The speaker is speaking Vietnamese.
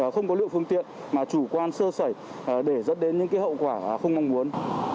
không có lượng phương tiện mà chủ quan sơ sẩy để dẫn đến những hậu quả không mong muốn